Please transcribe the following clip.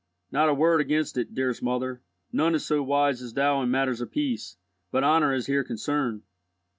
Not a word against it, dearest mother. None is so wise as thou in matters of peace, but honour is here concerned."